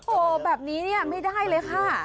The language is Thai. โอ้โหแบบนี้เนี่ยไม่ได้เลยค่ะ